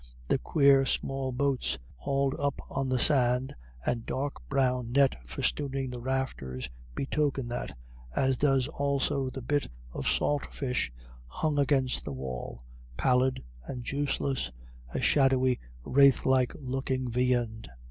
The queer small boats hauled up on the strand, and the dark brown net festooning the rafters, betoken that, as does also the bit of salt fish hung against the wall, pallid and juiceless, a shadowy, wraith like looking viand.